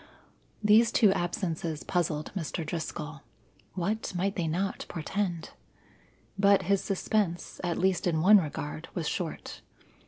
These two absences puzzled Mr. Driscoll. What might they not portend? But his suspense, at least in one regard, was short.